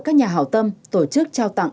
các nhà hảo tâm tổ chức trao tặng